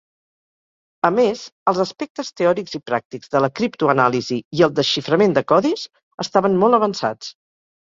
A més, els aspectes teòrics i pràctics de la "criptoanàlisi" i el "desxiframent de codis" estaven molt avançats.